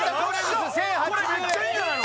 これメッチャいいんじゃないの！？